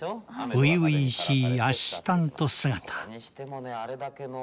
初々しいアシスタント姿。